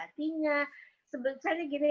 hatinya sebenarnya gini